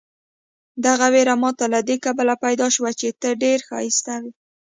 دغه وېره ماته له دې کبله پیدا شوه چې ته ډېر ښایسته وې.